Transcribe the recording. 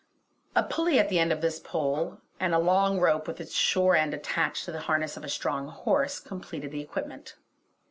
A pulley at the end of this pole, and a long rope with its shore end attached to the harness of a strong horse completed the equipment.